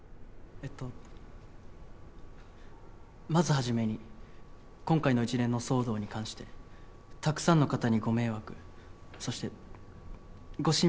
「えっとまずはじめに今回の一連の騒動に関してたくさんの方にご迷惑そしてご心配をおかけしてしまい」